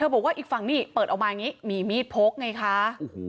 บอกว่าอีกฝั่งนี่เปิดออกมาอย่างนี้มีมีดพกไงคะ